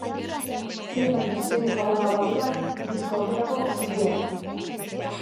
Zein baino zein ezagunagoak dira, disko honetako singleak.